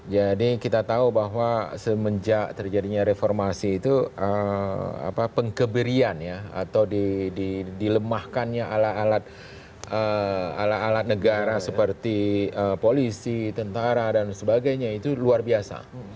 jadi kita tahu bahwa semenjak terjadinya reformasi itu pengkeberian atau dilemahkannya alat alat negara seperti polisi tentara dan sebagainya itu luar biasa